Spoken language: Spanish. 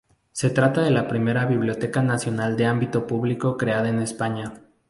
Se trata de la Primera Biblioteca Nacional de ámbito público creada en España.